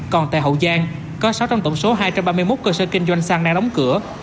còn tại hậu giang có sáu trong tổng số hai trăm ba mươi một cơ sở kinh doanh xăng đang đóng cửa